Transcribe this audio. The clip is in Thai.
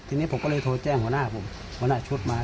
ทีนี้ผมก็เลยโทรแจ้งหัวหน้าผมหัวหน้าชุดมา